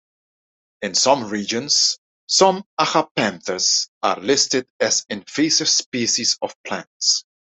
In some regions, some agapanthus are listed as invasive species of plants.